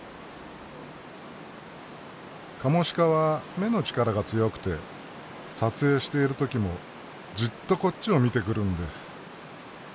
カモシカは目の力が強くて撮影している時もじっとこっちを見てくるんです。